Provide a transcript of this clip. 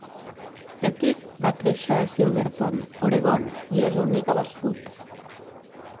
Pettit va créixer a Silverton, Oregon, i és un Eagle Scout.